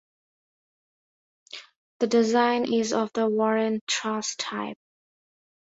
The design is of the Warren truss type.